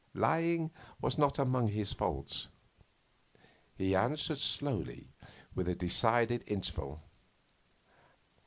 Lying was not among his faults. He answered slowly after a decided interval.